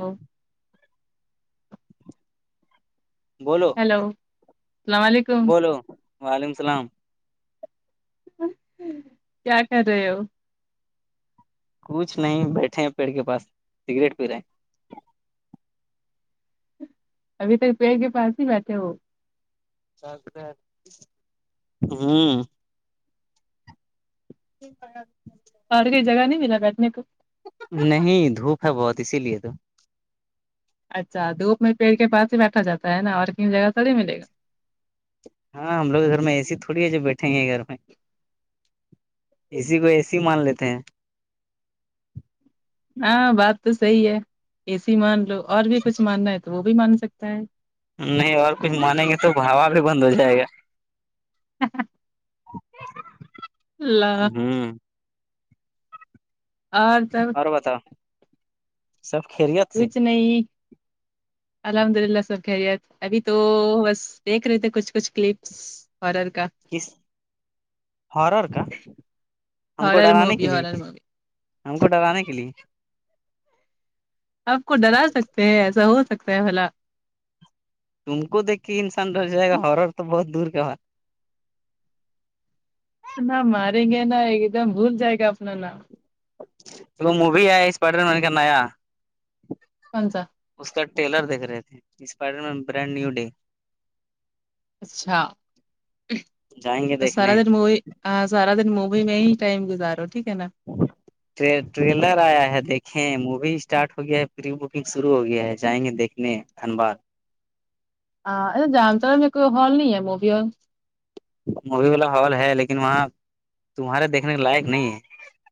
hello بولو hello السلام علیکم بولو وعلیکم السلام کیا کر رہے ہو کچھ نہیں بیٹھے ہیں پیڑ کے پاس سگریٹ پی رہے ہیں ابھی تک پیڑ کے پاس ہی بیٹھے ہو ہمم [unintelligible] اور کوئی جگہ نہیں ملا بیٹھنے کو نہیں دھوپ ہے بہت اسی لیے تو اچھا دھوپ میں پیڑ کے پاس ہی بیٹھا جاتا ہے نا اور کوئی جگہ تھوڑی ملے گا ہاں ہم لوگ کے گھر میں ایے سی تھوڑی ہے جو بیٹھیں گے گھر میں اسی کو اے سی مان لیتے ہیں ہاں بات تو صحیح ہے اے سی مان لو اور بھی کچھ ماننا ہے تو وہ بھی مان سکتا ہے نہیں اور کچھ مانیں گے تو بھاوا بھی بند ہو جائے گا اللہ ہمم اور سب پتا سب خیریت سے کچھ نہیں الحمد اللہ سب خیریت ابھی تو بس دیکھ رہے تھے کچھ کچھ کلپس ہارر کا کس ہارر کا ہم کو ہارر ڈرانے کے مووی لیے ہارر مووی ہم کو ڈرانے کے لیے آپ کو ڈرا سکتے ہیں ایسا ہو سکتا ہے بھلا تم کو دیکھ کے انسان ڈر جائےگا ہارر تو بہت دور کا اتنا ماریں گے نا ایک دم بھول جائے گا اپنا نام وہ مووی ہے سپائیڈر من کا نیا کونسا اس کا ٹیلر دیکھ رہے تھے Spider Man brand new day اچھا جائیں گے بس سارا دیکھنے دن مووی ہاں سارا دن مووی میں ہی ٹائم گزارو ٹھیک ہے نا ٹ ٹریلر آیا ہے دیکھیں مووی اسٹارٹ ہو گیا ہے پری بکنگ شروع ہو گیا ہے جائیں گے دیکھنے دھنباد ہاں اجانتا ہے میں کوئی ہال نہیں ہے مووی ہال مووی والا ہال ہے لیکن وہاں تمہارے دیکھنے کے لائق نہیں ہے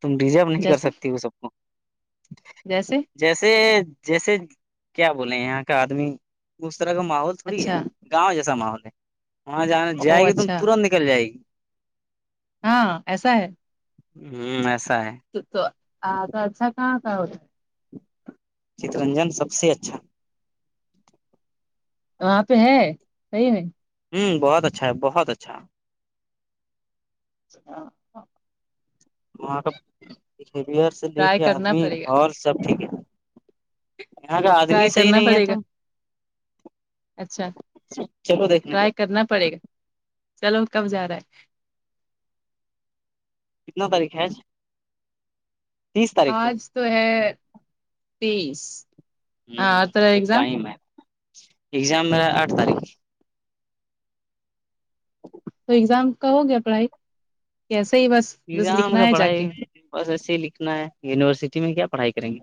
تم ڈیزرو نہیں کر جیسے سکتی وہ سب کو جیسے جیسے جیسے کیا بولیں یہاں کا آدمی اس طرح کا ماحول تھوڑی ہے اچھا گاؤں جیسا ماحول ہے وہاں جانا او جائے گی تو اچھا ترنت نکل جائے گی ہاں ایسا ہے ھمم ایسا ہے تو تو اچھا کہاں کا ہوتا ہے چترنجن سب سے اچھا وہاں پے ہے صحیح میں ہوں بہت اچھا ہے بہت اچھا [unintelligible] وہاں کا بیہویر سے لے ٹرائی کے کرنا آدمی پڑے گا ماحول سب ٹھیک ہے یہاں کا آدمی ٹرائی صحیح کرنا نہیں ہے پڑے گا تو اچھا چلو دیکھنے ٹرائی کرنا پڑے گا چلو کب جا رہا ہے کتنا تاریخ ہے آج آج تو ہے تیس ہاں ہمم اور تیرا ابھی ایگزام ٹائم ہے ایگزام میرا آٹھ تاریخ ایگزام کا ہو گیا پڑھائی کے ایسے ہی بس بس ایگزام کا لکھنا ہے جا کے پڑھائی بس ایسے ہی لکھنا ہے یونیورسٹی میں کیا پڑھائی کریں گے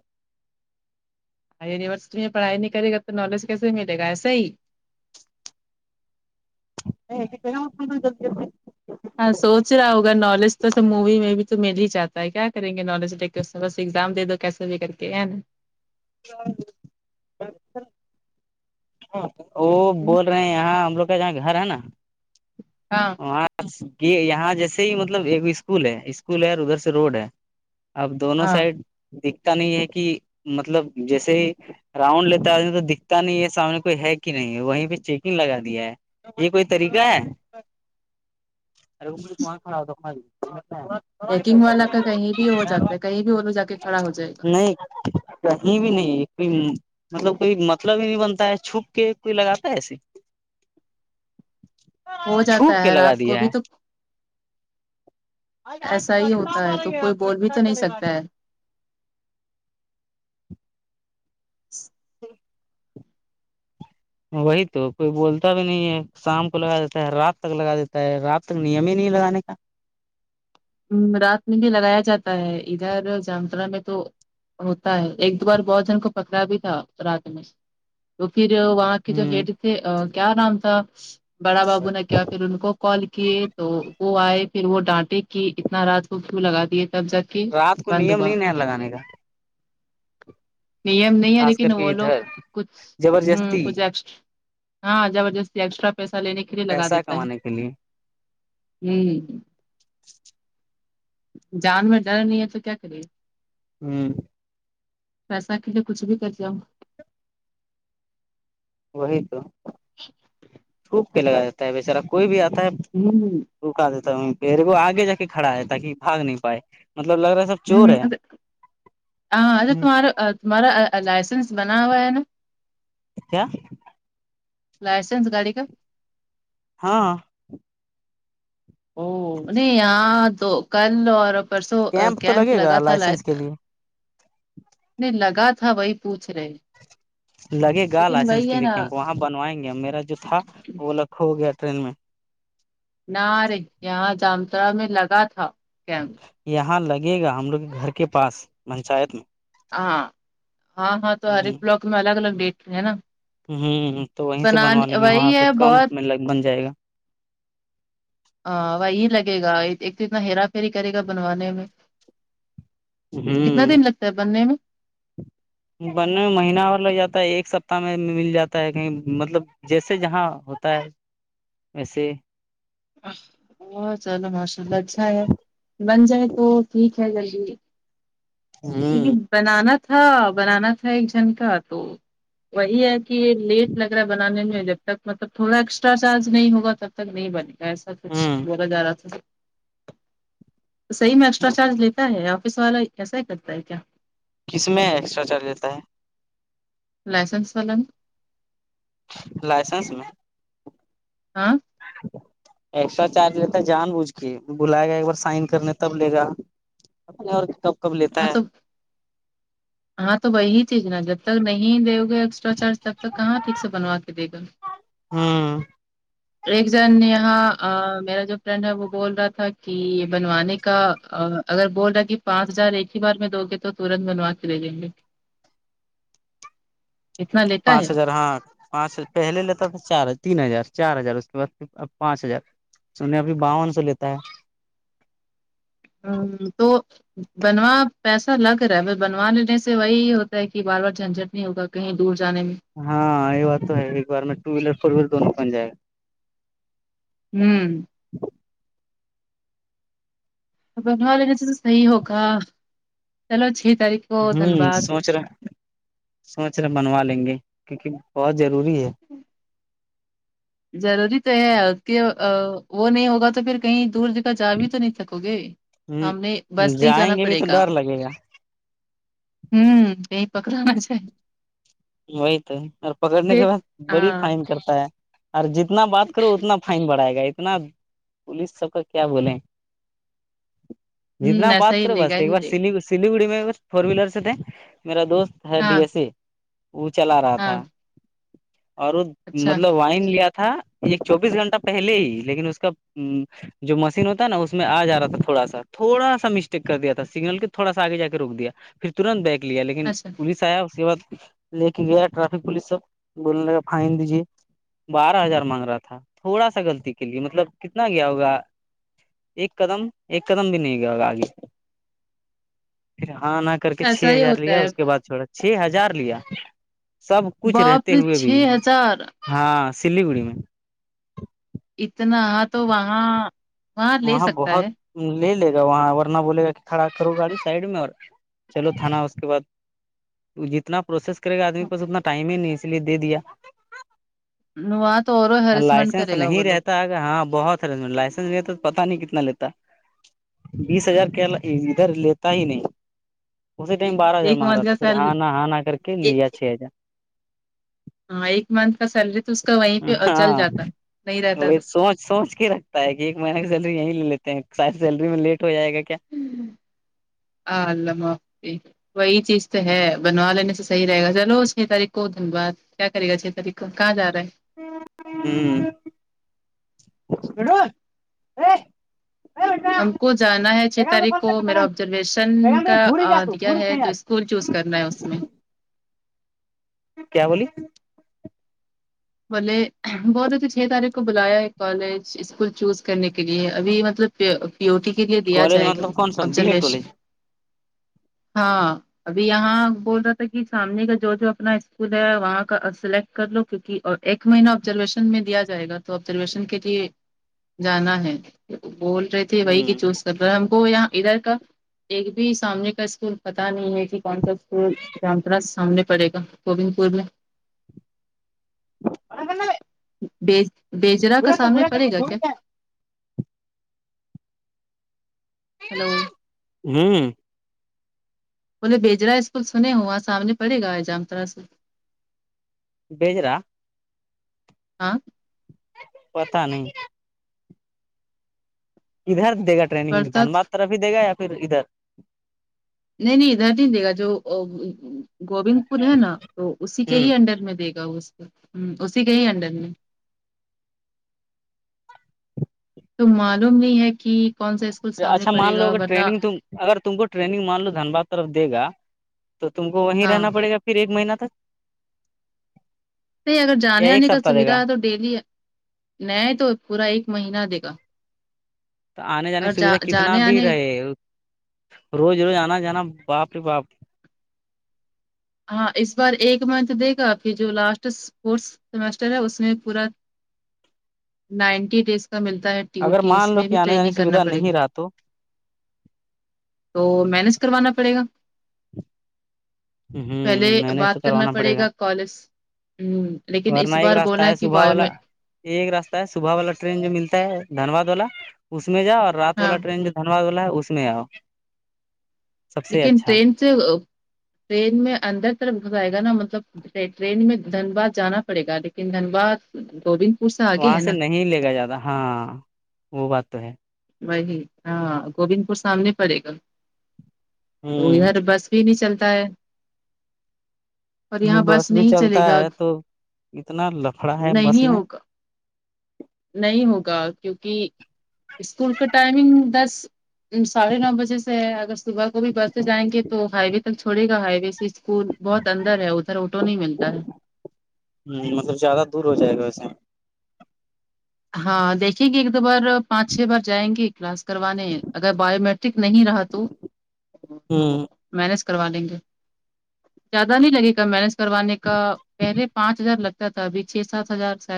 یونیورسٹی میں پڑھائی نہیں کرے گا تو نالج کیسے ملے گا ایسے ہی ہے کہ ہو جلدی جلی [unintelligible] ہاں سوچ رہا ہوگا نالج تو سب مووی میں بھی تو مل ہی جاتا ہے کیا کریں گے نالج تو بس ایگزام دے دو کیسے بھی کر کے ہے نا وہ بول رہے یہاں ہم لوگ کا جہاں گھر ہے نا ہاں وہاں یہ یہاں جیسے ہی مطلب ایک اسکول ہے اسکول ہے اور ادھر سے روڈ ہے اب دونوں ہاں سائڈ دکھتا نہیں ہے کہ مطلب جیسے ہی راؤنڈ لیتا ہیں تو دکھتا نہیں ہے سامنے کوئی ہے کہ نہیں ہے وہیں پہ چیکنگ لگا دیا ہے یہ کوئی طریقہ ہے ارے اگ کو کڑا ہو تواری ہیکنگ والا کا کہیں بھی ہو جاتا ہے کہیں بھی وہ لوگ جا کے کھڑا ہو [unintelligible] جائے گا نہیں کہیں بھی نہیں کوئی مطلب کوئی مطلب ہی نہیں بنتا ہے چھپ کے کوئی لگاتا ہے ایسے ہو چھوپ جاتا کے ہے لگا رات کو دیا ہے بھی تو آج آج ایسا ہی کٹا ہوتا ہے مارے تو گی کوئی بول بھی کٹا تو نہیں چلے گا سکتا ہے جی وہی تو کوئی بولتا بھی نہیں ہے شام کو لگا دیتا ہے رات تک لگا دیتا ہے رات تک نیم ہی نہیں لگانے کا رات میں بھی لگایا جاتا ہے ادھر جامترا میں تو ہوتا ہے ایک دو بار بہت جن کو پکڑا بھی تھا رات میں تو پھر وہاں جو ہ ہیڈ تھے کیا نام تھا بڑا بابو نے کیا پھر ان کو کال کیے تو وہ آئے پھر وہ ڈانٹے کی اتنا رات کو کیو لگا دیے تب جا کے رات کو بند نیم ہوا نہیں ن لگانے کا نیم نہیں ہے خاص لیکن کر کے وہ لوگ ادھر کچھ ہ زبردستی کچھ ایکسٹا ہاں زبردستی ایکسٹرا پیسہ لینے کے لیے لگا پیسہ دیتا ہے کمانے کے لیے ہاں جان میں ڈر نہیں ہے تو کیا کرے ہوں پیسہ کے لیے کچھ بھی کر جاؤ وہی تو چھوپ کے لگا جاتا ہے بچارا کوئی بھی آتا ہے ہوں رکا دیتا پہیر وہ آگے جا کے کھڑا ہے تاکہ باگ نہیں پائے مطلب لگ رہا سب ہ چور ہے ا ہاں اچھا تمہارا تمارا لائسنس بناوا ہے نا کیا لائسنس گاڑی کا ہاں او یہاں تو کل اور پرسوں تو کیمپ لگے لگا گا تھا لائسنس کے لیے نہیں لگا تھا وہی پوچھ رہے لگے گا لیکن لائسنس وہی کے ہے لیے نا کیمپ وہاں بنوائیں گے میرا جو تھا وہ لکھو گیا ٹرین میں نہ ارے یہاں جامتڑا میں لگا تھا کیم یہاں لگے گا ہم لوگ کے گھر کے پاس پنچایت میں ہاں ہاں ہاں تو ہر ایک بلاک میں الگ الگ ڈیٹ میں ہے نا ہوں تو وہیں سے بنوا بنانے لیں گے وہاں وہی تو ہے کم بہت بن جائے گا ہاں وہ یہ لگے گا ایک تو اتنا ہرا پھیری کرے گا بنوانے میں کتنا ہوں دن لگتا ہے بننے میں بننے میں مہینہ ہو لگ جاتا ہے ایک سپتہ میں مل جاتا ہے کہیں مطلب جیسے جہاں ہوتا ہے ویسے وہ چلو ماشاء اللہ اچھا ہے بن جائے تو ٹھیک ہے جلدی کیہ ہ بنانا تھا بنانا تھا ایک جھن کا تو وہی ہے کہ یہ لیٹ لگ رہا ہے بنانے میں جب تک مطلب تھوڑا ایکسٹرا چارج نہیں ہوگا تب تک نہیں بنے گا ایسا ہ کچھ بولا جا رہا تھا صحیح میں ایکسٹرا چارج لیتا ہے آفس والا کیسا ہی کرتا ہے کیا کس میں ایکسٹرا چارج لیتا ہے لائسنس والا نے لائسنس میں ہاں ایکسٹرا چارج لیتا جان بوجھ کے بلائے گا ایک بار سائن کرنے تب لے گا [inaudible] ہاں تو ہاں تو وہی چیز نا جب تک نہیں دے ایکسٹرا چارج تب تک کہاں ٹھیک سے بنو کے دی گا ہاں ایک جن یہاں آں میرا جو فرینڈ ہے وہ بول رہا تھا کہ بنوانے کا اگر بول رہا کہ پانچ ہزار ایک ہی بار میں دو گے تو تورنت بنوا کے دے دیں گے اتنا لیتا پانچ ہے ہزار ہاں پانچ پہلے لیتا تھا چار تین ہزار چار ہزار اس کے بعد اب پانچ ہزار سنیں ابھی باون سو لیتا ہے ہا تو بنوا پیسہ لگ رہا ہے ب بنوا لینے سے وہی ہوتا ہے کہ بار بار جھنجٹ نہیں ہوگا کہیں دور جانے میں ہاں یہ بات تو ہے ایک بار میں ٹو ویلر فور ویلر دونوں پن جائے گا ہوں بنوا لینے سے تو صحیح ہوگا چلو چھ تاریخ کو ہوں دھنباد سوچ رہے سوچ رہے بنوا لیں گے کیونکہ بہت ضروری ہے ہی ضروری تو ہے کہ وہ نہیں ہوگا تو پھر کہیں دور کا جا بھی تو نہیں سکو گے ہ ہم نے بس سے ہی جانا جائیں گے بھی پڑے تو گا ڈر لگے گا ہوں کہیں پکڑا نا جاے وہی تو اور پکڑنے کے بعد بڑی ہاں ہ فائن کرتا ہے اور جتنا بات کرو اتنا فائن بڑھائے گا اتنا پولیس سب کا کیا بولے جتنا ایسا بات ہی کرے لے بس گا ایک ہی بار لے گا سلی سلیگڑی میں کچ فور ویلر س تھے میرا دوست ہے ڈی ہاں ایس سی وہ چلا رہا ہاں تھا اور وہ اچھا مطلب وائن لیا تھا ایک چوبیس گھنٹہ پہلے ہی لیکن اس کا جو مشین ہوتا نا اس میں آ جا رہا تھا تھوڑا سا تھوڑا سا مسٹیک کر دیا تھا سگنل کے تھوڑا سا آگے جا کے روک دیا پھر ترنت بیگ لیا لیکن اچھا پولیس آیا اس کے بعد لے کے گیا ٹریفک پولیس سب بولنے لگا فائن دیجے بارہ ہزار مانگ رہا تھا تھوڑا سا غلطی کے لیے مطلب کتنا گیا ہوگا ایک قدم ایک قدم بھی نہیں گیا ہو گا آگے پھر ہاں نا کر کے چھ ایسا ہی ہزار ہوتا لیا ہے اس کے بعد چھوڑا چھ ہزار لیا سب کچھ باپ رہتے رے، ہوئے بھی چھ ہزار ہاں سلیگڑی میں اتنا ہاں تو وہاں لے وہاں سکتا بہت ہے لے لے گا وہاں ورنہ بولے گا کہ کھڑا کرو گاڑی سائڈ میں اور چلو تھا نہ اس کے بعد جتنا پروسیس کرے گا آدمی کے پاس اتنا ٹائم ہی نہیں اس لیے دے دیا نواں تو اور ہیریسمنٹ لائسنس کرے گا وہ نہیں لوگ رہتا ہے ہاں بہت ہے لائسنس نہیں تو پتا نہیں کتنا لیتا بیس ہزار کیا ادھر لیتا ہی نہیں اسی ٹائم بارہ ہزار ایک مانگ رہا منتھ تھا کا پھر ہاں سیلری نا ہاں نہ کر کے لیا چھ ہزار ہاں ایک منتھ کا سیلری تو اس کا وہیں پہ ہزار چل ہاں جاتا نہیں رہتا تو وہی سوچ سوچ رکھتا ہے کہ ایک مہینہ کی سیلری یہیں لے لیتے ہیں ساری سیلری میں لیٹ ہو جائے گا کیا آں اللہ حافظ وہی چیز تو ہے بنوا لینے سے صحیح رہے گا چلو چھ تاریخ کو دھن واد کیا کرے گا چھ تاریخ کو کہاں جا رہا ہے [unintelligible] ہم کو جانا ہے چھ تاریخ کو میرا آبزرویشن کا دیا ہے تو اسکول چوز کرنا ہے اس میں کیا بولی بولے بہت ا تھ چھ تاریخ کو بلایا ہے کالج اسکول چوز کرنے کے لیے ابھی مطلب پیو ٹی کے لیے دیا کالج جائے گا مطلب کون سا بی ایڈ آبزرویشن کالج ہاں ابھی یہاں بول رہا تھا کہ سامنے کا جو جو اپنا اسکول ہے وہاں کا سلیکٹ کر لو کیونک اور ایک مہینہ آبزرویشن میں دیا جائے گا تو آبزرویشن کے لیے جانا ہے بول رہے تھے وہی کی ہوں چوز کر رہے ہم کو یہاں ادھر کا ایک بھی سامنے کا اسکول پتا نہیں ہے کہ کون سا اسکول کماپس سامنے پڑے گا گووند پور میں [unintelligible] بیج بیجرا کا سامنے پڑے گا کیا ہلو ہوں بولے بیجرا اسکول سنے ہوا سامنے پڑے گا جام طرح سے بجرا ہاں پتا نہیں ادھر دے گا ٹرینگ پڑتا دھنباد طرف ہی دے گا یا پھر ادھر نہیں نہیں ادھر دے گا جو گوند پور ہے نا تو اسی کے ہ ہی انڈر میں دے گا اس کو ہ اسی کے ہی انڈر میں تو معلوم نہیں ہے کہ کون سےا اچھا مان لو اگر ٹریننگ تم اگر تم کو ٹریننگ مان لو دھنباد طرف دے گا تو تم کو وہ ہاں رہنا پڑے گا پھر ایک مہینہ تک نہیں اگر یا جانے ایک آنے کا سپتہ دے گا سویدھا ہے تو ڈیلی ن تو پورا ایک مہینہ دے گا آنے جانے اور کی جا سویدھا کتنا جانے بھی آنے رہے روز روز آنا جانا باپ رے باپ ہاں اس بار ایک منتھ دے گا فیر جو لاسٹ کورس سمسٹر ہے اس میں پورا نائنٹی ڈیز کا ملتا ہے اگر ڈیوٹی اس مان لو میں کہ بھی آنے جانے ٹریننگ کی کرنا سویدھا پڑے نہیں گی رہا تو تو مینج کروانا پڑے گا پہلے آمہم مینج تو بات کرنا کروانا پڑے گا کالج ہ لیکن اس ورنا ایک بار راستہ بولا ہے کہ صبح بایو والا میں ایک راستہ ہے صبح والا ٹرین جو ملتا ہے دھنباد والا اس میں جاؤ اور رات ہاں والا ٹرین جو دھنباد والا اس میں آؤ سب سے لیکن اچھا ٹرین سے ٹرین میں اندر طرف بھاگے گا نا مطلب ٹرین میں دھنباد جانا پڑے گا لیکن دھنباد گوبند پور آگے وہاں ہے سے نا نہیں لے گا زیادہ ہاں وہ بات تو ہے وہی ہاں گوبند پور سامنے پڑے گا تو ادھر ہ بس ٹرین ہی چلتا ہے اور یہاں بس بھی نہیں چلتا چلے گا ہے تو اتنا لفڑا ہے بس نہیں میں ہوگا نہیں ہوگا کیونکی اسکول کا ٹائمنگ دس ساڑھے نو بجے سے ہے اگر ست صبح کو بھی بس سے جائیں گے تو ہائی وے تک چھوڑے گا ہائی وے سے اسکول بہت اندر ہے ادھر آٹو نہیں ملتا ہے مطلب زیادہ دور ہو جائے گا ویسے ہاں دیکھیے گے ایک دو بار پانچ چھ بار جائیں گے کلاس کروانے اگر بایو مٹرک نہیں رہا تو ہ مینج کروا لینگے زیادہ نہیں لگے گا مینج کروانے کا پہلے پانچ ہزار لگتا تھا ابھی چھ سات ہزار شاید